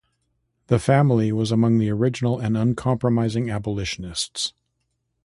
The family was among the original and uncompromising abolitionists.